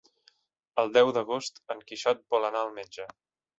El deu d'agost en Quixot vol anar al metge.